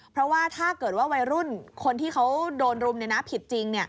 เพราะว่าถ้าเกิดว่าวัยรุ่นคนที่เขาโดนรุมผิดจริง